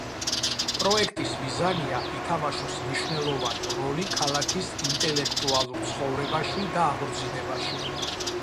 პროექტის მიზანია, ითამაშოს მნიშვნელოვანი როლი ქალაქის ინტელექტუალურ ცხოვრებაში და აღორძინებაში.